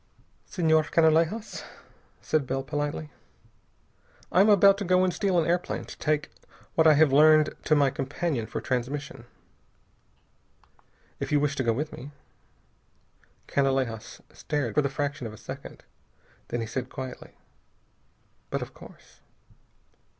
"Senhor Canalejas," said Bell politely, "I am about to go and steal an airplane to take what I have learned to my companion for transmission. If you wish to go with me...." Canalejas stared for the fraction of a second. Then he said quietly: "But of course."